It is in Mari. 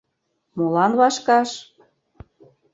— Молан вашкаш?